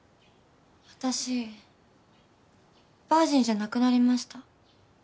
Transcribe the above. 私バージンじゃなくなりました。